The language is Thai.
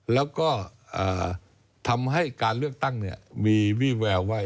แล้วก็ทำให้การเลือกตั้งมีวี่แววไว้